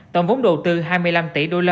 tổng vốn đầu tư hai mươi năm tỷ usd